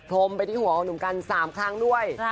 มไปที่หัวของหนุ่มกัน๓ครั้งด้วย